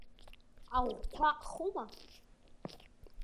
Аӷәқәа хума.